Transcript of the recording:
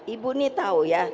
ibu ini tahu ya